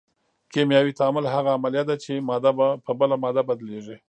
کیمیاوي تعامل هغه عملیه ده چې ماده په بله ماده بدلیږي.